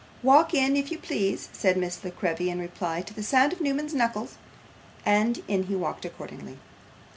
'Walk in if you please,' said Miss La Creevy in reply to the sound of Newman's knuckles; and in he walked accordingly.